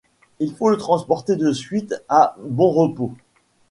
Il faut le transporter de suite à Bonrepos.